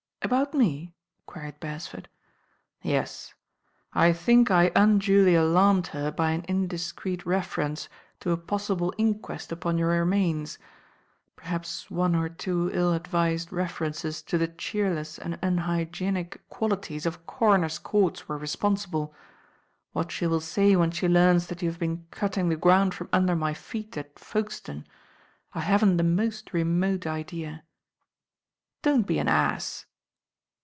''About me?" queried Beresford. "Yes. I think I unduly alarmed her by an indis creet reference to a possible inquest upon your re mams. Perhaps one or two ill advised references to the cheerless and unhygienic qualities of coroners' courts were responsible. What she will say when she learns that you have been cutting the ground from under my feet at Folkestone, I haven't the most remote idea." "Don't be an ass."